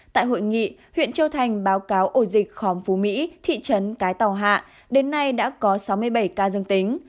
tại hội nghị huyện châu thành báo cáo ổ dịch khóm phú mỹ thị trấn cái tàu hạ đến nay đã có sáu mươi bảy ca dương tính